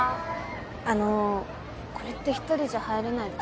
あのこれって１人じゃ入れないですか？